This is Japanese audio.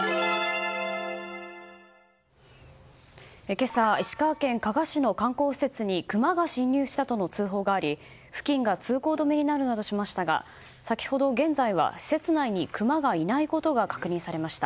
今朝石川県加賀市の観光施設にクマが侵入したとの通報があり付近が通行止めになるなどしましたが現在は施設内にクマがいないことが確認されました。